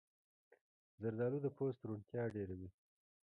زردالو د پوست روڼتیا ډېروي.